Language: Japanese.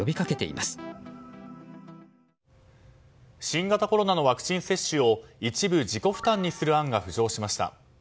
新型コロナのワクチン接種を一部、自己負担にする案が浮上しました。